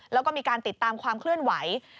แล้วก็มีการติดตามความเคลื่อนไหว